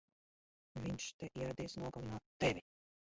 Viņš te ieradies nogalināt tevi!